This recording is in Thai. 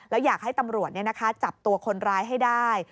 แล้วอยากให้ตำรวจจับตัวคนร้ายให้ได้